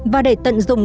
và để tận dụng